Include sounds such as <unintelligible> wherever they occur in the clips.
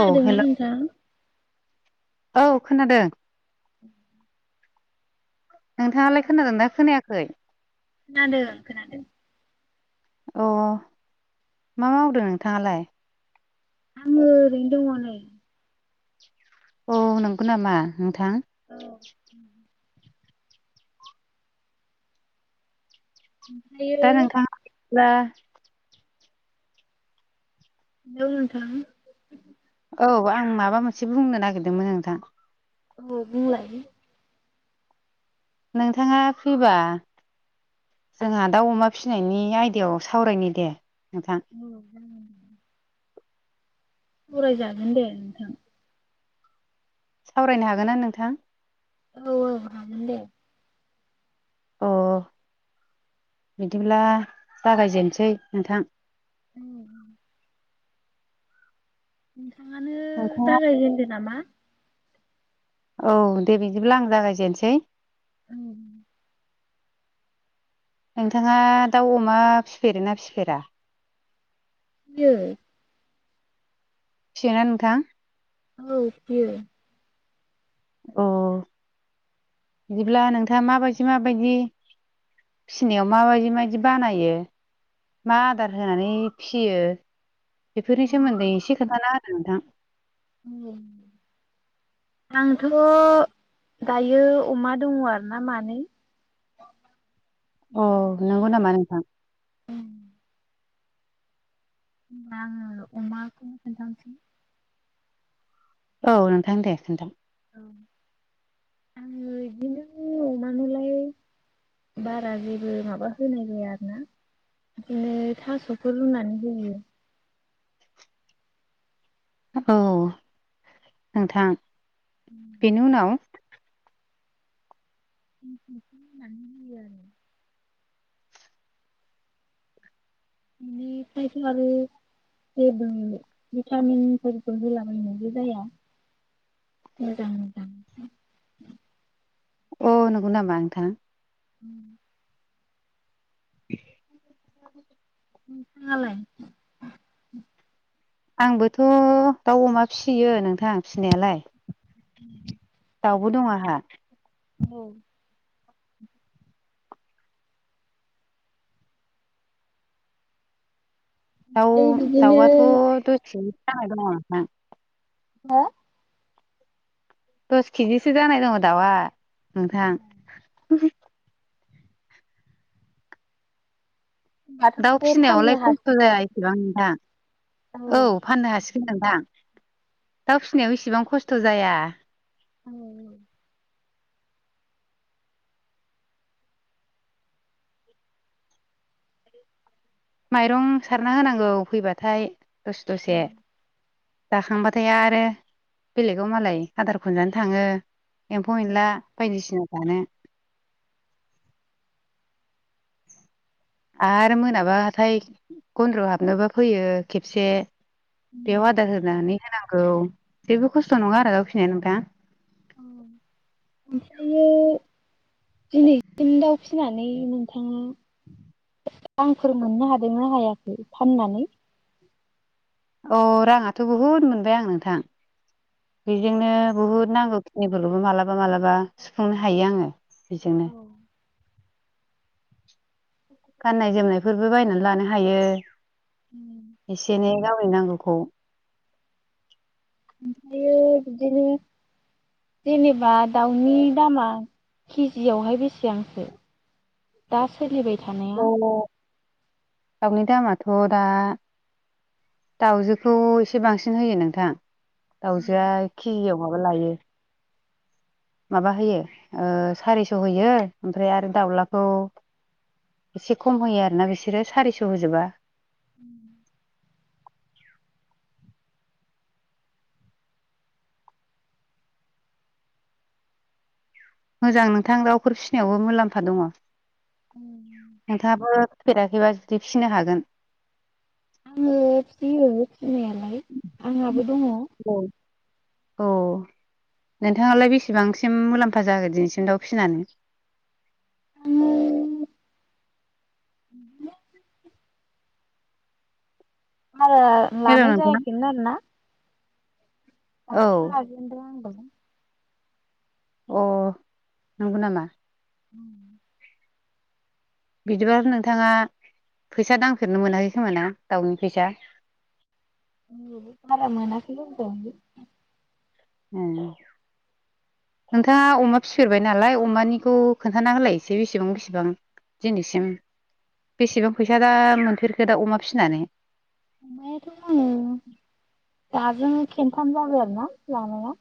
औ हेल' नोंथां? औ खोनादों। <inaudible> नोंथाङालाय खोनादोंना खोनायाखै? खोनादों खोनादों। अह मा मावदों नोंथाङालाय? आङो ओरैनो दङ नै। औ नंगौ नामा नोंथां? औ दा नोंथाङा <inaudible> <inaudible> औ नोंथां औ आं माबा मोनसे बुंनो नागिरदोंमोन नोंथां औ बुंलाय नोंथाङा फ्रिबा जोंहा दाउ अमा फिसिनायनि आयदायाव सावरायनि दे नोंथां औ सावरायजागोन उरायजागोन दे नोंथां सावरायनो हागोनना नोंथां औ औ हागोन दे अ बिदिब्ला जागायजेनसै नोंथां उम नोंथाङानो नोंथाङा जागायजेनदो नामा औ दे बिदिब्ला आं जागायजेनसै ओम नोंथाङा दाउ अमा फिसिफेरोना फिसिफेरा फियो फिसियो ना नोंथां औ फियो अ बिदिब्ला नोंथाङा माबायदि माबायदि फिसिनायाव माबायदि मायदि बानायो मा आदार होनानै फिसियो बेफोरनि सोमोन्दै एसे खोथाना होदो नोंथां औ आंथ' दायो अमा दङ आरो ना मानै अ दङ। नंगौ नामा नोंथां ओमबा आङो अमाखौ खोनथानोसै औ नोंथां दे खोन्था औ आङो इदिनो अमानोलाय बारा जेबो माबा होनाय जाया आरोना बिदिनो थास'फोर रुनानै होयो औ नोंथां बेनि उनाव <unintelligible> रुनानै होयो आरो इनिफ्रायथ आरो जेबो भिटामिनफोरबो होलाबायनायबो जाया मोजां मोजां अ नोंगौनामा नोंथां उम <unintelligible> नोंथाङालाय आंबोथ' दाउ अमा फिसियो नोंथ- थां फिसिनायालाय दाउबो दं आंहा औ दाउ बे बिदिनो दाउआथ' दस <unintelligible> जानाय दङ आंहा हो दस खिजिसो जानाय दङ दाउआ नोंथां होनबाथ' दाउ माथो फाननो फिसिनायावलाय खस्थ' हासिगोन जाया इसेबां नोंथां औ फाननो हासि- गोन नोंथां दाउ फिसिनायाव इसिबां खस्थ' जाया औ माइरं सारना होनांगौ फैबाथाय दसे दसे। जाखांबाथाय आरो बेलेगाव मालाय आदार खनजानो थाङो। एम्फौ औ एनला बायदिसिना जानो। आरो मोनाबाथाय गन्द्र' हाबनोबा फैयो खेबसे। बेयाव आदार होनानै होनांगौ जेबो खस्थ नंङा आरो दाव फिनाया नोंथा। औ ओमफ्रायो दिनैसिम दाउ फिनानै नोंथांङा औ रांफोर मोननो हादोंना हायाखै फाननानै अ राङाथ बुहुद मोनबाय आं नोंथां औ बेजोंनो बुहुद नांगौ खिनिफोरखौबो मालाबा-मालाबा सुफुंनो हायो आंङो बेजोंनो औ। गाननाय जोमनायफोरबो बायनानै लानो हायो ओमफ्रायो एसे एनै गाव नांगौ खौ। बियो‌ बिदिनो जेनेबा दाउनि दामा केजियावहाय बेसेबांसो? दा सोलिबाय थानाया? दाउनि दामाथ दा दाउजोखौ एसे बांसिन होयो नोंथां। दाउजोआ केजियाव माबा लायो माबा होयो ओ सारिस होयो ओमफ्राय आरो दाउलाखौ एसे खम होयो आरोना बिसोरो सारिस होजोबा। <unintelligible> मोजां नोंथां दाउफोर फिसिनायावबो मुलाम्फा दंङ नोंथांङाबो फैफेरा एबा फिनो हागोन। आंङो फियो फिनायालाय आंहाबो दंङ। औ औ नोंथांङालाय बेसेबांसिम मुलाम्फा जाखो‌ दिनैसिम दाउ फिसिनानै? <unintelligible> <inaudible> आरो हेल' लानाय नोंथां जायाखै मोन‌ आरोना। औ दासो‌ लाजेनदों आंबो। अ नंगौ नामा? उं बिदिबाथ नोंथांङा फैसा दांफेरनो मोनाखै खोमा ना दाउनि फैसा? बारा मोनाखैबो होनजायो। ओओ नोंथांङा अमा फिफेरबाय नालाय अमानिखौ खोन्थाना होलाय एसे बिसिबां-बिसिबां दिनैसिम बेसेबां फैसा दा मोनफेरखो दा अमा फिसिनानै? मोन्नायाथ' आङो दाजों खेनन्थाम जाबाय आरो ना लानाया।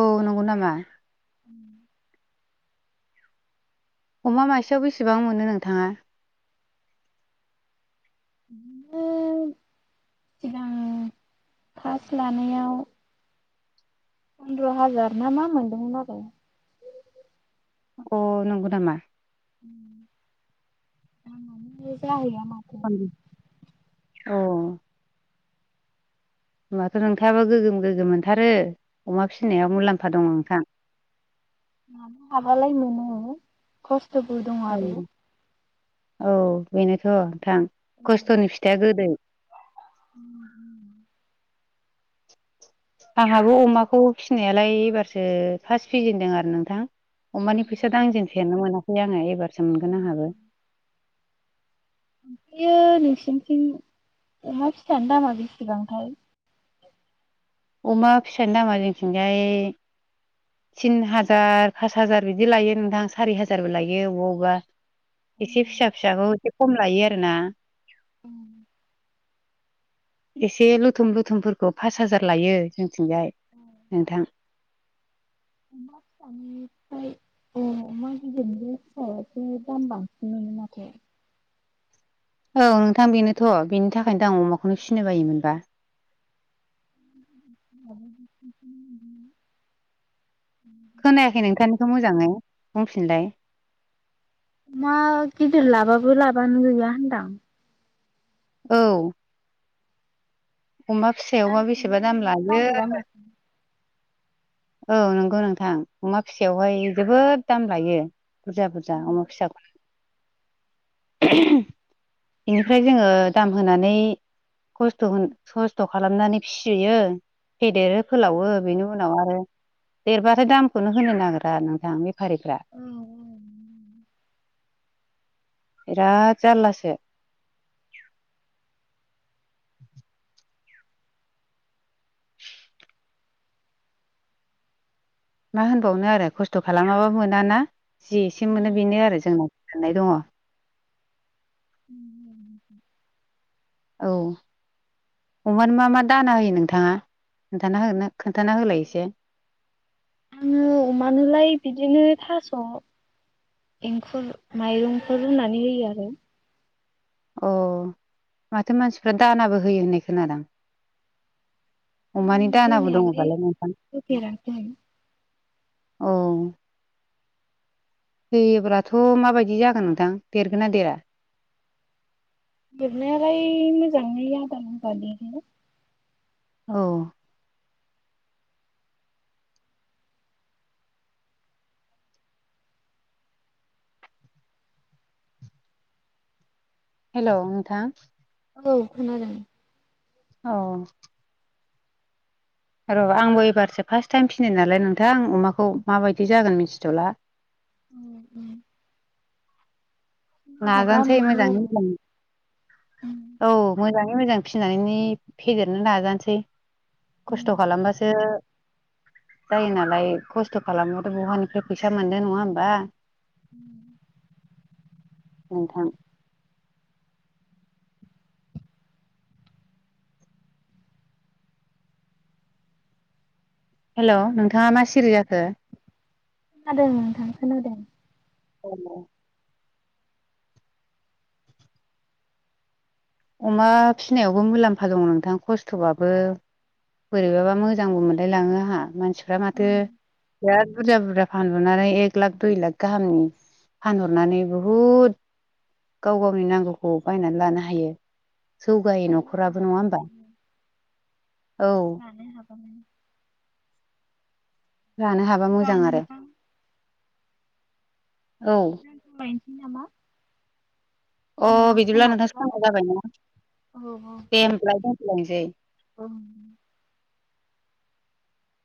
औ नंगौ नामा? <inaudible> अमा मासेयाव बेसेबां मोनो नोंथांङा? <unintelligible> सिगां पास लानायाव फन्द्र हाजार ना मा मोनदोंमोन आरो। अ नंगौ नामा? दाममानो जाहैया। माथो अ होनोमबाथ नोंथांङाबो गोगोम-गोगोम मोनथारो अमा फिसिनायाव मुलाम्फा दंङ नोंथां। लानो हाबालाय मोनो खस्थबो दंङ औ आरो। औ बेनोथ नोंथां। खस्थनि फिथाइया गोदै आंहाबो अमाखौ फिसिनायालाय एबारसो फार्स्ट फिजेनदों आरो नोंथां। अमानि फैसा ओमफ्रायो दाजेनफेरनो मोनाखै आङो एबारसो मोनगोन आंहाबो ओमफ्रायो नोंसिनिथिं अमा फिसानि दामा बेसेबांथाय अमा फिसानि दामा जोंथिंजाय तिन हाजार पास हाजार बिदि लायो नोंथां सारि हाजारबो लायो अबा अबा एसे फिसा फिसाखौ एसे खम लायो आरोना। उम। एसे लुथुम लुथुमफोरखौ फास हाजार लायो जों जोंथिंजाय नोंथां। उम। अमा गिदिरजों फिसायासो दाम बांसिन मोनो माथो। औ नोंथां बेनोथ' बेनि थाखायनो आं अमाखौनो फिसिनो बायोमोनबा। <unintelligible> खोनायाखै नोंथांनिखौ मोजाङै बुंफिनलाय मा गिदिर लाबाबो लाबानो गैया होनदां औ। अमा फिसायावबा दाननो बेसेबा दाम लायो। नागिरा माथो औ नंगौ नोंथां अमा फिसायावहाय जोबोद दाम लायो। बुरजा बुरजा अमा फिसाखौनो <unintelligible> बेनिफ्राय जोङो दाम होनानै खस्थ' खस्थ' खालामनानै फिसियो फेदेरो फोलावो बेनि उनाव आरो देरबाथाय दामखौनो होनो नागिरा नोंथां बे फारिफ्रा औ औ बिराद जारलासो। मा होनबावनो आरो खस्थ' खालामाबा मोनाना जि एसे औ मोनो बेनो आरो जोंनाव साननाय दङ। <inaudible> औ अमानो मा मा दाना होयो नोंथाङा? खोन्थाना हो खोन्थाना होलाय एसे। आङो अमानोलाय बिदिनो थास' एंखुर माइरंफोर रुनानै होयो आरो। अ माथो मानसिफ्रा दानाबो होयो होननाय खोनादां अमानि आं दानाबो होनायालाय दङबालाय नंफां होफेराखै औ। होयोब्लाथ' माबायदि जागोन नोंथां देरगोना देरा देरनायालाय मोजाङै आदार होबा देरो औ हेल' नोंथां औ खोनादों। औ। र' आंबो एबारसो फार्स्ट टाइम फिनो नालाय नोंथां आं अमाखौ माबायदि जागोन मिथिथ'ला। उ उ। नाजानोसै मोजाङै मोजां औ मोजाङै मोजां फिसिनानै फेदेरनो नाजानोसै खस्थ' खोनादों खालामबासो जायो नालाय खस्थ' खालामाबाथ' बहानिफ्राय फैसा मोननो नङा होमबा। उम। नोंथां। हेलौ नोंथाङा मा सिरि जाखो? खोनादों नोंथां खोनादों। औ नंगौ। अमा फिनायावबो मुलाम्फा दङ नोंथां खस्थ'बाबो। बोरैबाबा मोजांबो मोनलायलाङो आहा मानसिफ्रा औ माथो बिराद बुरजा बुरजा फानहरनानै एक लाख दुइ लाख गाहामनि फानहरनानै बहुद गाव गावनि नांगौखौ बायनानै लानो हायो। जौगायो हायो न'खराबो नङा नोंथां होमबा हायो औ। लानो हागौमोन लानो हाबा होनबा मोजां आरो। नोंथां औ दोन्थ'लायनोसै नामा? अ जोंहा बिदिब्ला नोंथां समाबो समा जाबाय ना? औ औ दे होनब्लालाय दोनलायनोसै। औ